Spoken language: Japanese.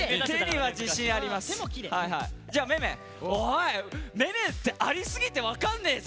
めめってありすぎて分かんねえぞ！